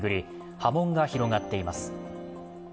波紋が広がっています。